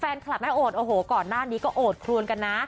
แฟนคลับแม่โอดโอ้โหก่อนหน้านี้ก็โอดครวนกันนะ